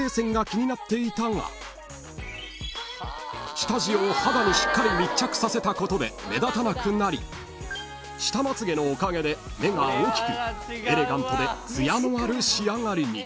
［下地を肌にしっかり密着させたことで目立たなくなり下まつげのおかげで目が大きくエレガントで艶のある仕上がりに］